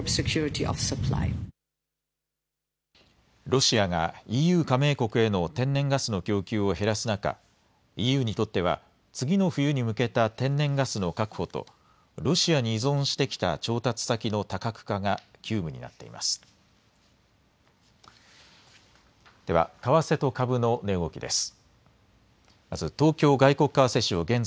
ロシアがＥＵ加盟国への天然ガスの供給を減らす中、ＥＵにとっては次の冬に向けた天然ガスの確保とロシアに依存してきた調達先の多角化が急務になっています。